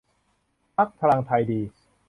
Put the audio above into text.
พรรคพลังไทยดี